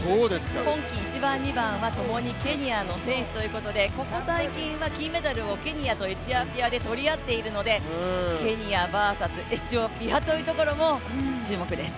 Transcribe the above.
今季１番、２番はともにケニアの選手ということで、ここ最近は金メダルをケニアとエチオピアで取り合っているのでケニアＶＳエチオピアというところも注目ですね。